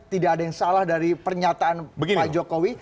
tidak ada yang salah dari pernyataan pak jokowi